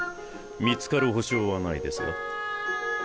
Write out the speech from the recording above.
見つかる保証はないですが。